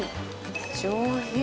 上品。